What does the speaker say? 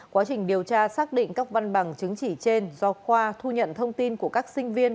quá trình điều tra xác định các văn bằng chứng chỉ trên do khoa thu nhận thông tin của các sinh viên